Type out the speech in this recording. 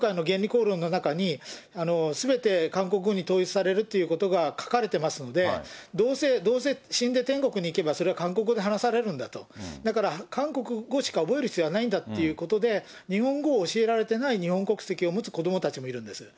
こうろんの中に、すべて韓国語に統一されるということが書かれてますんで、どうせ死んで天国にいけばそれは韓国語で話されるんだと、だから韓国語しか覚える必要はないんだということで、日本語を教えられてない日本国籍を持つ子どもたちもいるんです。